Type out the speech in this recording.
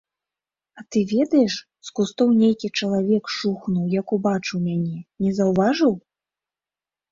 А ты ведаеш, з кустоў нейкі чалавек шухнуў, як убачыў мяне, не заўважыў?